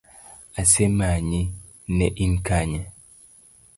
Asemanyi, ne in Kanye?